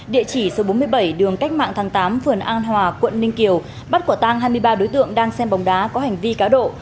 địa chỉ số bốn mươi bảy đường cách mạng tháng tám phường an hòa quận ninh kiều bắt quả tang hai mươi ba đối tượng đang xem bóng đá có hành vi cá độ